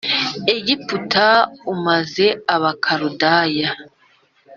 Egiputa u maze Abakaludaya